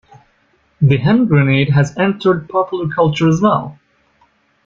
The Hand Grenade has entered popular culture as well.